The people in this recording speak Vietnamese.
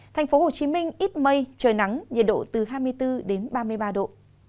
thành phố hồ chí minh ít mây trời nắng nhiệt độ từ hai mươi bốn đến ba mươi ba độ